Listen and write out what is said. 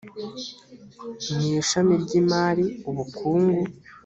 mw ishami ry imari ubukungu